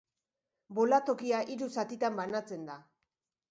Bolatokia hiru zatitan banatzen da.